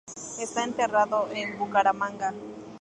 Está enterrado en Bucaramanga.